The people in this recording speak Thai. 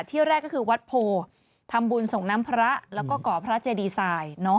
ที่แรกก็คือวัดโพทำบุญส่งน้ำพระแล้วก็ก่อพระเจดีไซน์